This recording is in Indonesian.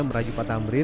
meraju pak tamrin